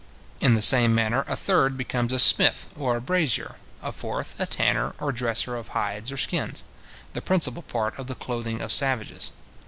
In the same manner a third becomes a smith or a brazier; a fourth, a tanner or dresser of hides or skins, the principal part of the clothing of savages.